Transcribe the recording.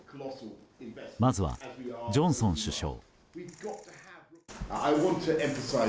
まずは、ジョンソン首相。